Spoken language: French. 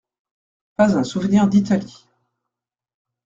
Pas un souvenir d'Italie.